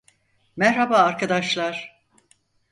Merhaba arkadaşlar.